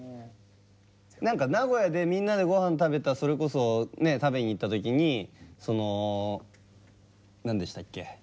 何か名古屋でみんなでごはん食べたそれこそね食べに行った時にその何でしたっけ？